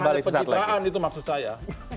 jadi jangan hanya pencitraan itu maksud saya